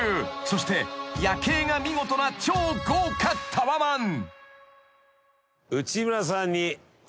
そして夜景が見事な超豪華タワマン］